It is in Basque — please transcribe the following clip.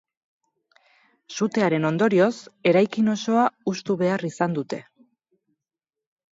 Sutearen ondorioz, eraikin osoa hustu behar izan dute.